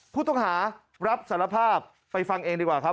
ผู้ต้องหารับสารภาพไปฟังเองดีกว่าครับ